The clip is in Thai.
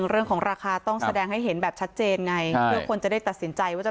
เรื่องของราคาต้องแสดงให้เห็นแบบชัดเจนไงเพื่อคนจะได้ตัดสินใจว่าจะ